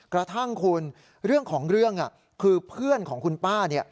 กระทั่งคุณเรื่องของเรื่องคือเพื่อนของคุณป้าเนี่ย